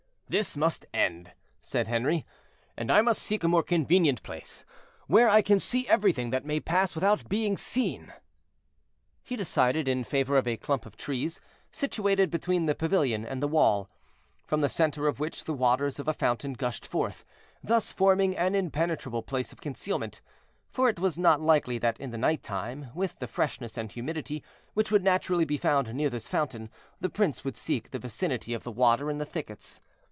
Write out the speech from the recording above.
"This must end," said Henri, "and I must seek a more convenient place, where I can see everything that may pass without being seen." He decided in favor of a clump of trees situated between the pavilion and the wall, from the center of which the waters of a fountain gushed forth, thus forming an impenetrable place of concealment; for it was not likely that in the night time, with the freshness and humidity which would naturally be found near this fountain, the prince would seek the vicinity of the water and the thickets.